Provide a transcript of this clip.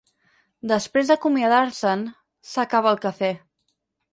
Després d'acomiadar-se'n, s'acaba el cafè.